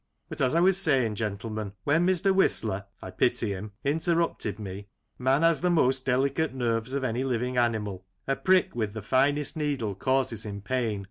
But, as I was say ing, gentlemen, when Mr. Whistler — I pity him — interrupted me, man has the most delicate nerves of any living animal. A prick with the finest needle causes him pain.